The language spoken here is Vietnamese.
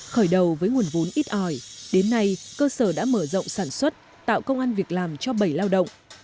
khởi đầu với nguồn vốn ít ỏi đến nay cơ sở đã mở rộng sản xuất tạo công an việc làm cho bảy lao động